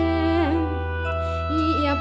เพลงที่สองเพลงมาครับ